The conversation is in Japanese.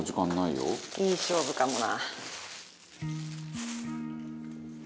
いい勝負かもな。